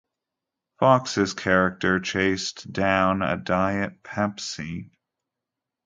Fox's character chased down a Diet Pepsi.